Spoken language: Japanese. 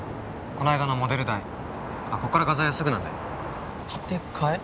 この間のモデル代あっこっから画材屋すぐなんで立て替え？